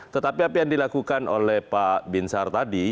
tetapi apa yang dilakukan oleh pak bin sar tadi